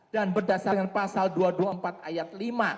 dan berdasarkan pasal dua ratus dua puluh empat ayat lima